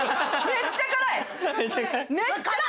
めっちゃ辛い！